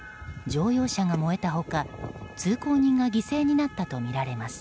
乗用車が燃えた他、通行人が犠牲になったとみられます。